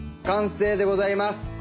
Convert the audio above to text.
完成でございます。